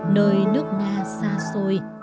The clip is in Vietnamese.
nơi nước nga xa xôi